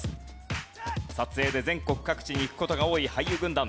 撮影で全国各地に行く事が多い俳優軍団。